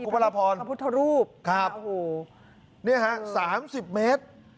ครับนี่ฮะ๓๐เมตร